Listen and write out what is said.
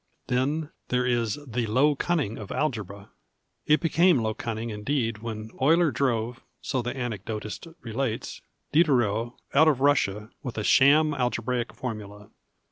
Then there is " the low cunning of algebra."' It became low cunning indeed when Eulcr drove (so tlie anecdotist relates) Diderot out of Russia with a sham algebraical fornuda.